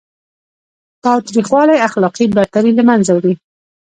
تاوتریخوالی اخلاقي برتري له منځه وړي.